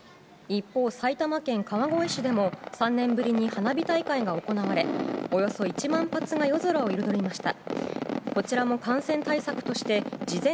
一方、埼玉県川越市でも、３年ぶりに花火大会が行われ、およそ１万発が夜空を彩りました。